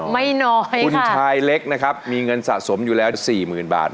คุณชายเล็กมีเงินสะสมอยู่แล้ว๔หมื่นบาท